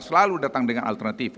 selalu datang dengan alternatif